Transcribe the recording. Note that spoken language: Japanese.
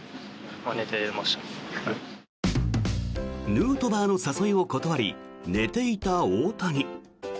ヌートバーの誘いを断り寝ていた大谷。